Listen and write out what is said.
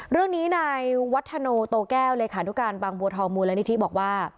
เรื่องนี้นายวัฒโนโตแก้วเลขานุการบางบัวทองมูลนิธิบอกว่า